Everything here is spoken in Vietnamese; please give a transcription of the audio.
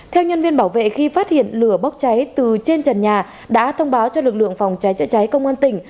theo nhân viên bảo vệ khi phát hiện lửa bốc cháy từ trên trần nhà đã thông báo cho lực lượng phòng cháy chữa cháy công an tỉnh